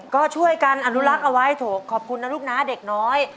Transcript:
ก็ช่วยกันอนุรักษ์เอาไว้โถขอบคุณนะลูกนะเด็กน้อย